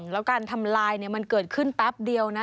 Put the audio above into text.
แล้วการทำลายมันเกิดขึ้นแป๊บเดียวนะ